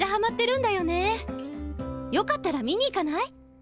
よかったら見に行かない？